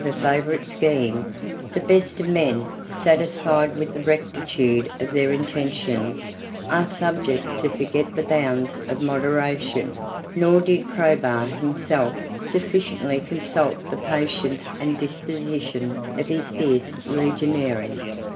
] But in the prosecution of a favorite scheme, the best of men, satisfied with the rectitude of their intentions, are subject to forget the bounds of moderation; nor did Probus himself sufficiently consult the patience and disposition of his fierce legionaries.